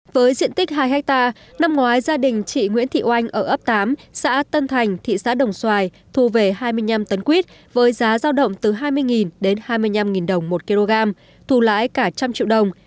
với diện tích hai hectare năm ngoái gia đình chị nguyễn thị oanh ở ấp tám xã tân thành thị xã đồng xoài thu về hai mươi năm tấn quýt với giá giao động từ hai mươi đến hai mươi năm đồng một kg thu lãi cả trăm triệu đồng